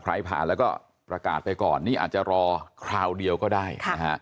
ผ่านแล้วก็ประกาศไปก่อนนี่อาจจะรอคราวเดียวก็ได้นะฮะ